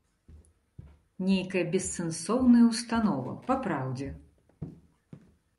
Нейкая бессэнсоўная ўстанова, папраўдзе.